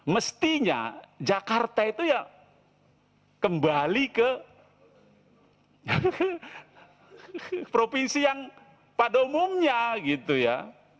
mestinya jakarta itu ya kembali ke provinsi yang pada umumnya gitu ya